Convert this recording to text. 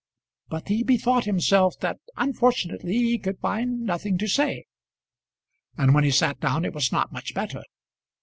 But he bethought himself that unfortunately he could find nothing to say. And when he sat down it was not much better.